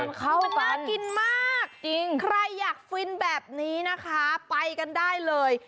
มันน่ากินมากจริงใครอยากฟินแบบนี้นะคะไปกันได้เลย